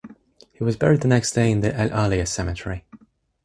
He was buried the next day in the El Alia Cemetery.